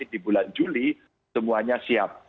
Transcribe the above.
di bulan juli semuanya siap